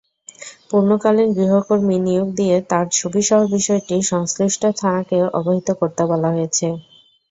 পূর্ণকালীন গৃহকর্মী নিয়োগ দিয়ে তাঁর ছবিসহ বিষয়টি সংশ্লিষ্ট থানাকে অবহিত করতে বলা হয়েছে।